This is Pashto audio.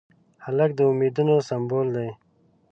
هلک د امیدونو سمبول دی.